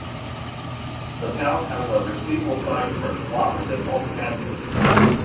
The town has a receival site for Cooperative Bulk Handling.